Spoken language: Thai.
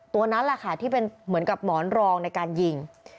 ตัวนั้นแหละค่ะที่เป็นเหมือนกับหมอนรองในการยิง